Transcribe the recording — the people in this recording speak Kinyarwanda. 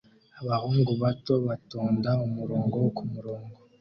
Abahungu bato batonda umurongo kumurongo